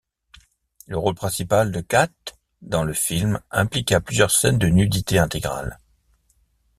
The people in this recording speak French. Le rôle principal de Cates dans le film impliqua plusieurs scènes de nudité intégrale.